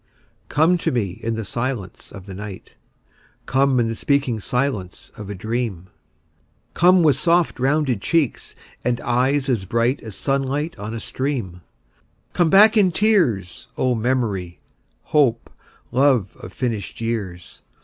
Come to me in the silence of the night; Come in the speaking silence of a dream; Come with soft rounded cheeks and eyes as bright As sunlight on a stream; Come back in tears, O memory, hope, love of finished years.